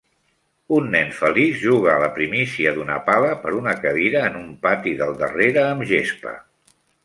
Un nen feliç jugar a la primícia d'una pala per una cadira en un pati del darrere amb gespa.